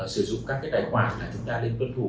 sử dụng các cái tài khoản là chúng ta nên tuân thủ